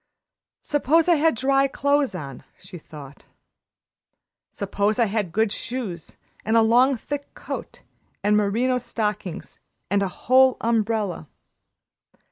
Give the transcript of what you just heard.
"Suppose I had dry clothes on," she thought. "Suppose I had good shoes and a long, thick coat and merino stockings and a whole umbrella.